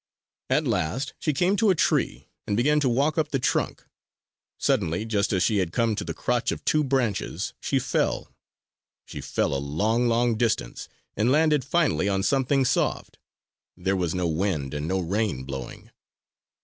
At last she came to a tree and began to walk up the trunk. Suddenly, just as she had come to the crotch of two branches, she fell! She fell a long, long distance and landed finally on something soft. There was no wind and no rain blowing.